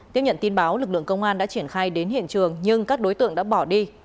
tiếp nhận tin báo lực lượng công an đã triển khai đến hiện trường nhưng các đối tượng đã bỏ đi